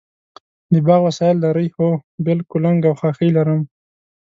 د باغ وسایل لرئ؟ هو، بیل، کلنګ او خاښۍ لرم